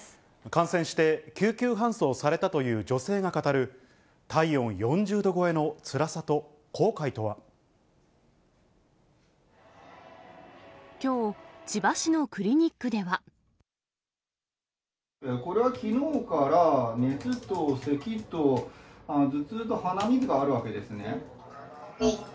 感染して救急搬送されたという女性が語る体温４０度超えのつきょう、これは、きのうから熱とせきと頭痛と鼻水があるわけですね。